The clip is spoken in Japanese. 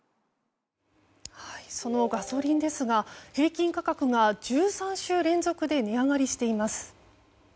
そのガソリンですが平均価格が１３週連続で値上がりしています。